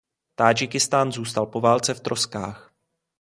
Tádžikistán zůstal po válce v troskách.